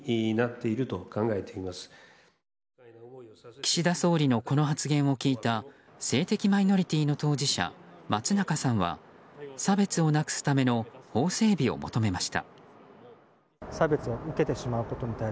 岸田総理のこの発言を聞いた性的マイノリティーの当事者、松中さんは差別をなくすための法整備を求めました。